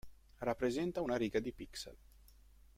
Rappresenta una riga di pixel.